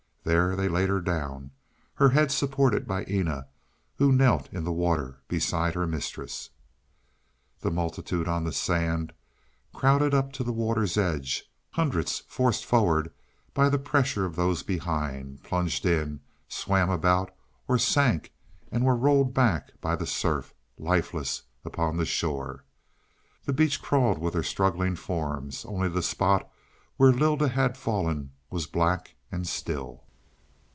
There they laid her down, her head supported by Eena, who knelt in the water beside her mistress. The multitude on the sand crowded up to the water's edge; hundreds, forced forward by the pressure of those behind, plunged in, swam about, or sank and were rolled back by the surf, lifeless upon the shore. The beach crawled with their struggling forms, only the spot where Lylda had fallen was black and still.